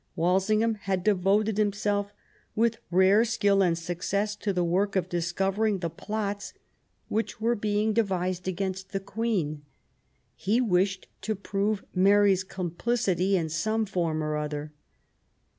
Walsingham had devoted himself with rare skill and success to the work of discovering the plots which were being devised against the Queen. He wished to prove Mary's complicity in some form or other.